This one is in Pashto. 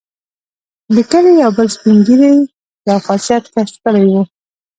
د کلي یو بل سپین ږیري یو خاصیت کشف کړی وو.